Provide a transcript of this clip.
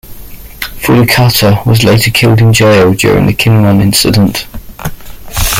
Furukata was later killed in jail during the Kinmon Incident.